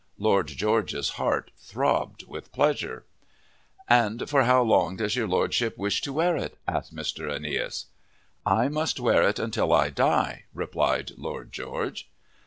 Lord George's heart throbbed with pleasure. "And for how long does your Lordship wish to wear it?" asked Mr. Aeneas. "I must wear it until I die," replied Lord George.